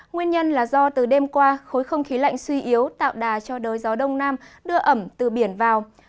nguyên nhân là do từ đêm qua khối không khí lạnh suy yếu tạo đà cho đới gió đông nam đưa ẩm từ biển vào